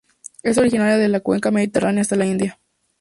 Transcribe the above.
Es originaria de la cuenca mediterránea hasta la India.